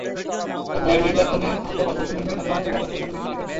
সৎমায়ের নির্যাতনে আহত পাঁচ বছরের মেয়ে ফাতেমা আক্তারের আতঙ্ক যেন কিছুতেই কাটছে না।